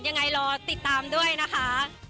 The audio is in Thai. ยังไงรอติดตามด้วยนะคะ